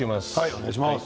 お願いします。